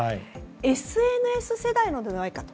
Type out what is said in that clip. ＳＮＳ世代なのではないかと。